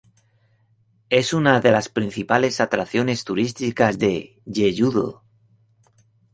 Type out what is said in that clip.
Es una de las principales atracciones turísticas de Jeju-do.